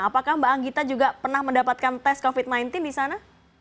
apakah mbak anggita juga pernah mendapatkan tes covid sembilan belas di sana